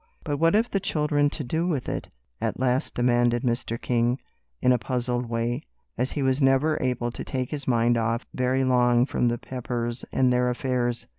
"But what have the children to do with it?" at last demanded Mr. King, in a puzzled way, as he was never able to take his mind off very long from the Peppers and their affairs.